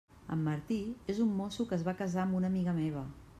En Martí és un mosso que es va casar amb una amiga meva.